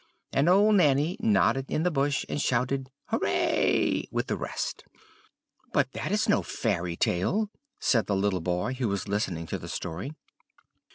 And old Nanny nodded in the bush, and shouted 'hurrah!' with the rest." "But that is no fairy tale," said the little boy, who was listening to the story.